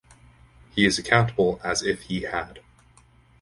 He is accountable as if he had.